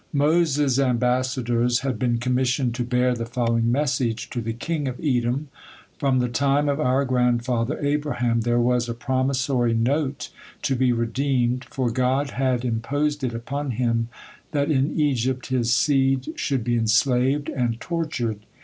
Moses' ambassadors had been commissioned to bear the following message to the king of Edom: "From the time of our grandfather Abraham, there was a promissory note to be redeemed, for God had imposed it upon him that in Egypt his seed should be enslaved and tortured.